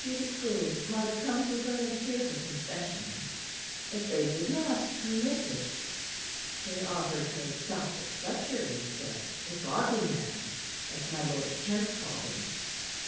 de Preau might come to her and hear her confession; but they would not permit it. They offered her Dr. Fletcher instead, 'a godly man,' as my lord of Kent called him.